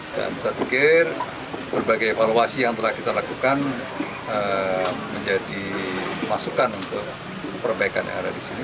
saya pikir berbagai evaluasi yang telah kita lakukan menjadi masukan untuk perbaikan yang ada di sini